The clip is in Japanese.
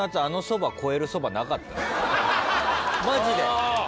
マジで。